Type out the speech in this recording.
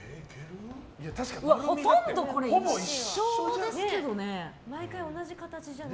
ほとんど一緒ですけどね。